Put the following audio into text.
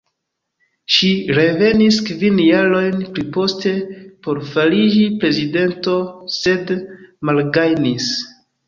Ŝi revenis kvin jarojn pliposte por fariĝi prezidento sed malgajnis.